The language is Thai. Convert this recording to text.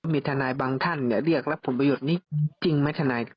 มีทนายบางท่านเรียกรับผลประโยชน์นี้จริงไหมทนาย